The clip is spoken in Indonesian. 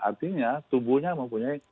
artinya tubuhnya mempunyai